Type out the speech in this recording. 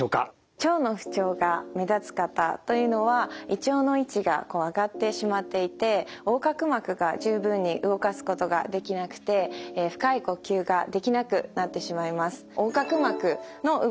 腸の不調が目立つ方というのは胃腸の位置が上がってしまっていて横隔膜が十分に動かすことができなくて深い呼吸ができなくなってしまいます。